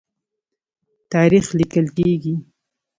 تاریخ لیکل کیږي.